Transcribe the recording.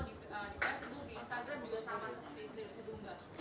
di instagram juga sama seperti